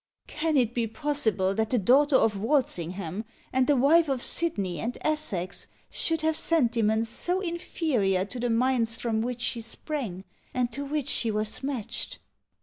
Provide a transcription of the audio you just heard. Can it be possible that the daughter of Walsingham, and the wife of Sidney and Essex, should have sentiments so inferior to the minds from which she sprang, and to which she was matched?